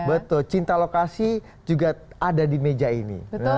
betul cinta lokasi juga ada di meja ini